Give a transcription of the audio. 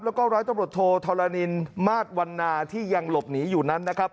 แล้วก็ร้อยตำรวจโทธรณินมาสวันนาที่ยังหลบหนีอยู่นั้นนะครับ